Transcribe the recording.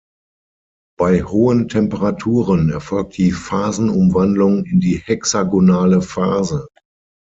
Bei hohen Temperaturen erfolgt die Phasenumwandlung in die hexagonale Phase.